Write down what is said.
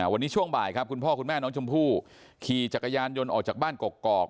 วันนี้ช่วงบ่ายครับคุณพ่อคุณแม่น้องชมพู่ขี่จักรยานยนต์ออกจากบ้านกอก